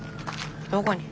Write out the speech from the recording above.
どこに？